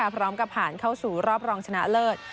พร้อมกับผ่านเข้าสู่รอบรองชนะเลิศ